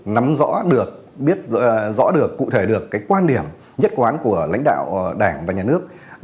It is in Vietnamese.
nắm rõ được biết rõ được cụ thể được cái quan điểm nhất quán của lãnh đạo đảng và nhà nước